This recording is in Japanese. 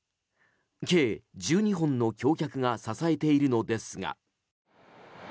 計１２本の橋脚が支えているのですが。